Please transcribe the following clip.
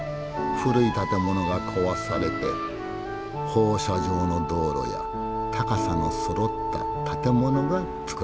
古い建物が壊されて放射状の道路や高さのそろった建物が造られた。